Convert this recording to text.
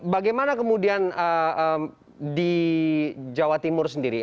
bagaimana kemudian di jawa timur sendiri